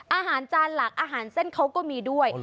อาหารจานหลักอาหารเส้นเขาก็มีด้วย